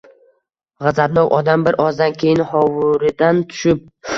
G‘azabnok odam bir ozdan keyin hovuridan tushib